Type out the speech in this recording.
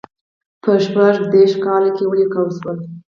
په شپږ دېرش کال کې ولیکل شو.